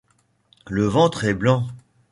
Le ventre est blanc.